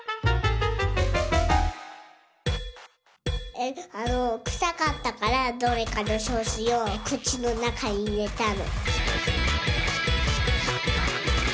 えっあのくさかったからどうにかしようくちのなかにいれたの。